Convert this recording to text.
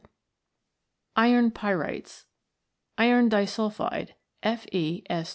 Iron Pyrites. Iron disulphide, FeS 2